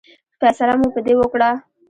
فیصله مو په دې وکړه.